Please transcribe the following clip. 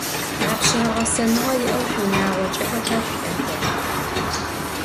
Апшъэрэ гъэсэныгъэ иӏэу шъуиунагъокӏэ хэта шъуиӏэхэр?